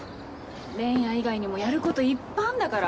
恋愛以外にもやる事いっぱいあるんだから。